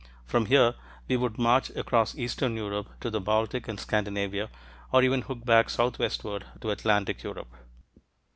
From here, we could march across eastern Europe to the Baltic and Scandinavia, or even hook back southwestward to Atlantic Europe.